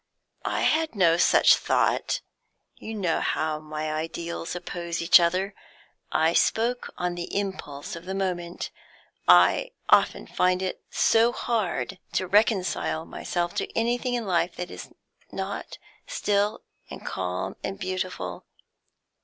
"I had no such thought. You know how my ideals oppose each other. I spoke on the impulse of the moment; I often find it so hard to reconcile myself to anything in life that is not, still and calm and beautiful.